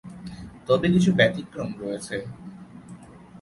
তবে কিছু ব্যতিক্রম রয়েছে।